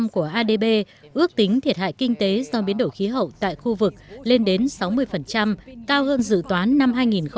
cơ sở adb ước tính thiệt hại kinh tế do biến đổi khí hậu tại khu vực lên đến sáu mươi cao hơn dự toán năm hai nghìn chín